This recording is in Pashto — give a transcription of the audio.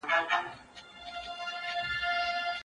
ژمنې باید په خورا امانتدارۍ وساتل شي.